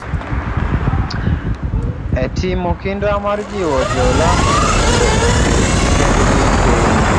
E timo kinda mar jiwo jo Lamu mondo ondik kendgi piny,